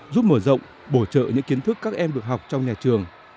giúp mở rộng bổ trợ những kiến thức các em được học trong nhà trường